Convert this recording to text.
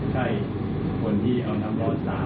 ใช่คนที่เอาน้ำร้อนสาด